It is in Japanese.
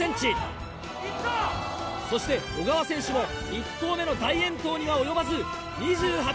そして小川選手も１投目の大遠投には及ばず。